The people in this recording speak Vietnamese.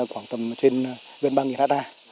khoảng tầm trên gần ba ha